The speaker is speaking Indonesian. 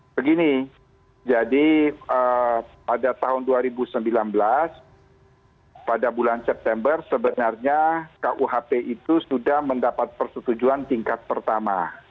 begini jadi pada tahun dua ribu sembilan belas pada bulan september sebenarnya kuhp itu sudah mendapat persetujuan tingkat pertama